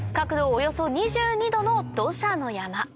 およそ２２度の土砂の山